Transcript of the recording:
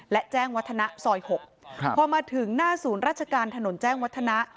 และแจ้งวัฒนะซอย๖พอมาถึงหน้าศูนย์ราชการถนนแจ้งวัฒนะ